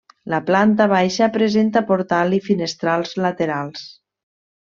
La planta baixa presenta portal i finestrals laterals.